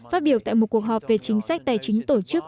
phát biểu tại một cuộc họp về chính sách tài chính tổ chức